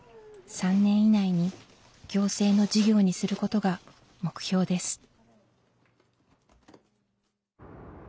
３年以内に行政の事業にすることが目標です。